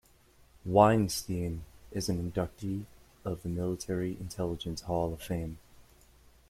Weinstein is an inductee of the Military Intelligence Hall of Fame.